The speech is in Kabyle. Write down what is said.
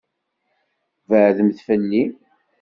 Beɛɛdemt fell-i.